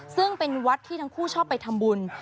ซึ่งเป็นวัดที่ทั้งคู่ชอบไปทำบุญ